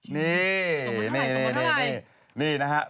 นี่นี่นี่นี่นี่นะฮะ